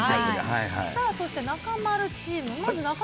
さあ、そして中丸チーム。